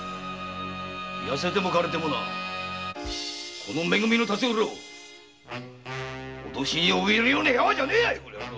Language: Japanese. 痩せても枯れても「め組」の辰五郎脅しに怯えるようなヤワじゃねえやい！